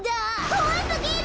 こわすぎる！